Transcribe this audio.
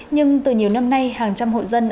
nhưng từ nhiều năm nay hàng trăm hội dân